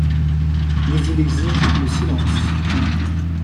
Mais il exige le silence.